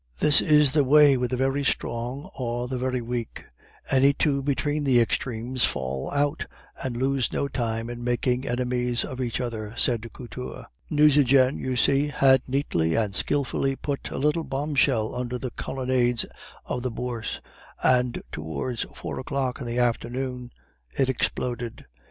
"That is the way with the very strong or the very weak; any two between the extremes fall out and lose no time in making enemies of each other," said Couture. "Nucingen, you see, had neatly and skilfully put a little bombshell under the colonnades of the Bourse, and towards four o'clock in the afternoon it exploded.